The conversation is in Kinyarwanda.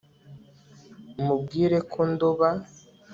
mubwire ko ndoba